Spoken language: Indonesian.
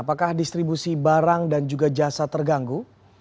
apakah distribusi barang dan juga jasa terganggu